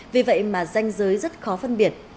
vì vậy mà danh giới rất khó phân biệt